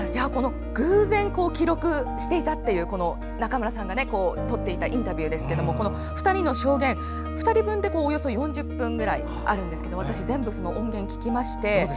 偶然記録していたという中村さんが撮っていたインタビューですが２人の証言、２人分でおよそ４０分ぐらいあるんですが私、全部その音源を聞きまして。